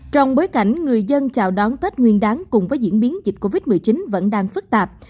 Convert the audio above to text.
trong bối cảnh người dân chào đón tết nguyên đáng cùng với diễn biến dịch covid một mươi chín vẫn đang phức tạp